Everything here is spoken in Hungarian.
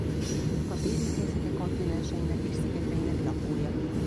A déli félteke kontinenseinek és szigeteinek lakója.